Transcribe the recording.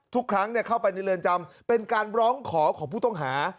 ทุกครั้งเข้าไปในเรือนจำเป็นการร้องขอของผู้ต้องหา